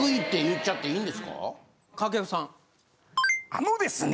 あのですね